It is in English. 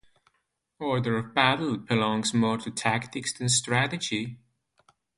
Order of battle belongs more to tactics than strategy.